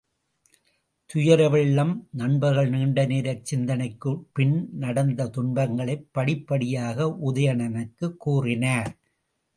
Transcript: துயர வெள்ளம் நண்பர்கள் நீண்ட நேரச் சிந்தனைக்குப்பின் நடந்த துன்பங்களைப் படிப்படியாக உதயணனுக்குக் கூறினார்.